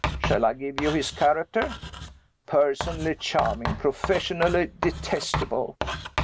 Shall I give you his character? Personally charming; professionally detestable.